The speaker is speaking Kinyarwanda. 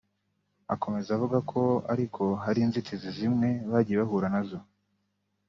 Akomeza avuga ko ariko hari inzitizi zimwe bagiye bahura nazo